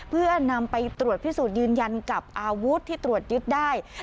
เพื่อนำไปตรวจพิสูจน์ยืนยันกับอาวุธที่ตรวจยึดได้